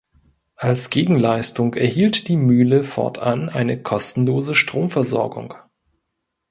Als Gegenleistung erhielt die Mühle fortan eine kostenlose Stromversorgung.